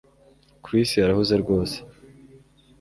Chris arahuze rwose